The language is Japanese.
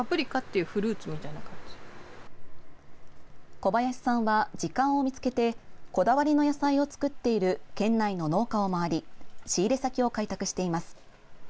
小林さんは時間を見つけてこだわりの野菜を作っている県内の農家を回り仕入れ先を開拓しています。